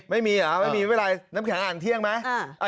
ไม่มีเหรอไม่มีเวลาน้ำแข็งอ่านเที่ยงไหม